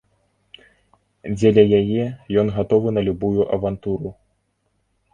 Дзеля яе ён гатовы на любую авантуру.